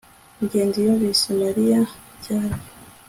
ngenzi yumvise mariya cyane